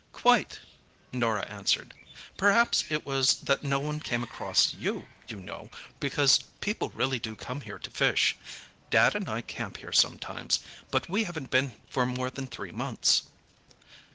"Quite," Norah answered. "Perhaps it was that no one came across you, you know, because people really do come here to fish. Dad and I camp here sometimes, but we haven't been for more than three months."